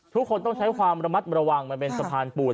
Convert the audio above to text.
ทุกคนต้องใช้ความระมัดระวังมันเป็นสะพานปูน